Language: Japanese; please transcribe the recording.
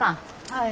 はい。